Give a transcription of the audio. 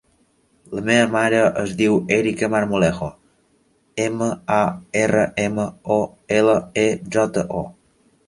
La meva mare es diu Erica Marmolejo: ema, a, erra, ema, o, ela, e, jota, o.